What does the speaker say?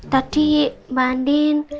tadi mbak andin